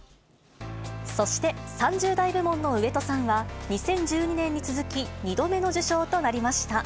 そして、３０代部門の上戸さんは、２０１２年に続き、２度目の受賞となりました。